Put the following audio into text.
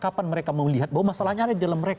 kapan mereka melihat bahwa masalahnya ada di dalam mereka